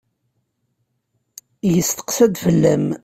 Yesteqsa-d fell-am.